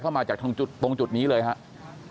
มาจากตรงจุดนี้เลยครับ